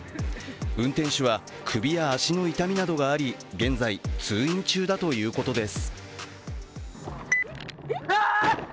運転手は首や足の痛みなどがあり、現在通院中だということです。